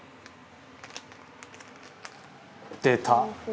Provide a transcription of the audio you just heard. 「出た！